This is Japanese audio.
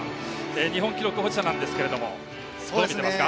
日本記録保持者ですけどどう見ていますか？